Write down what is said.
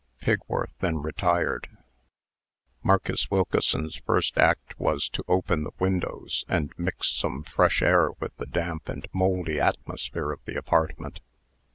Pigworth then retired. Marcus Wilkeson's first act was to open the windows, and mix some fresh air with the damp and mouldy atmosphere of the apartment.